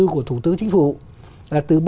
của thủ tướng chính phủ là từ ba